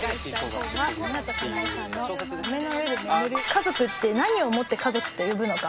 家族って何をもって家族と呼ぶのか。